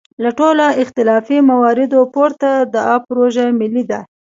له ټولو اختلافي مواردو پورته دا پروژه ملي ده.